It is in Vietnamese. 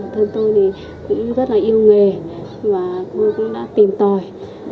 thân tôi cũng rất yêu nghề và cũng đã tìm tòi